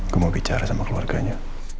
gue mau bicara sama keluarganya